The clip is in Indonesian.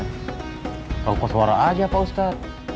pak ustaz kamu kok suara saja pak ustaz